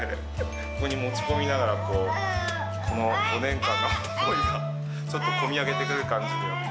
ここに持ち込みながら、こう、この５年間の思いが、ちょっと込み上げてくる感じで。